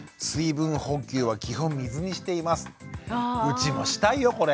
うちもしたいよこれ。